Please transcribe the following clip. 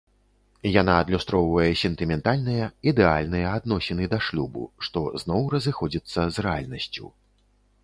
Яна адлюстроўвае сентыментальныя, ідэальныя адносіны да шлюбу, што зноў разыходзіцца з рэальнасцю.